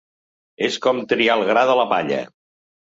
És com triar el gra de la palla.